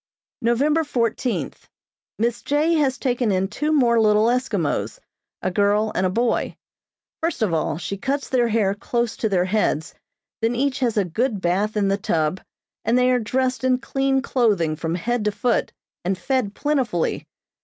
November fourteenth: Miss J. has taken in two more little Eskimos, a girl and a boy. First of all, she cuts their hair close to their heads, then each has a good bath in the tub, and they are dressed in clean clothing from head to foot, and fed plentifully.